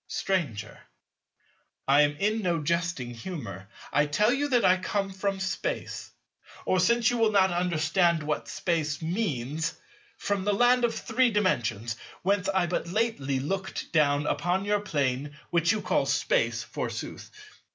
Stranger. I am in no jesting humour. I tell you that I come from Space, or, since you will not understand what Space means, from the Land of Three Dimensions whence I but lately looked down upon your Plane which you call Space forsooth.